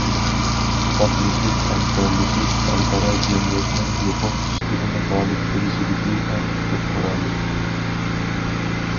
ئىتتىپاقلىشىپ ھەمكارلىشىش خەلقئارا جەمئىيەتنىڭ يۇقۇم ئۈستىدىن غالىب كېلىشىدىكى ئەڭ كۈچلۈك قورالى.